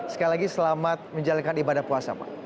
sekali lagi selamat menjalankan ibadah puasa pak